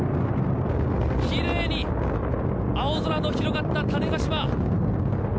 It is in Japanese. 奇麗に青空の広がった種子島。